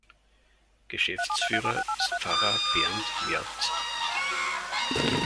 Geschäftsführer ist Pfarrer Bernd Merz.